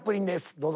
どうぞ。